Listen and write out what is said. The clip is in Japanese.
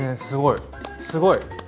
すごいすごい。